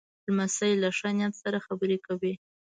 لمسی له ښه نیت سره خبرې کوي.